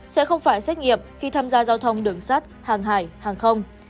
sẽ không phải xét nghiệm khi tham gia giao thông đường sắt hàng hải hàng không